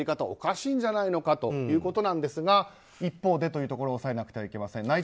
おかしいんじゃないのかということなんですが一方でというところを押さえなくてはなりません。